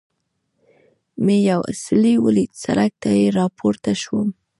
مې یو څلی ولید، سړک ته را پورته شوم.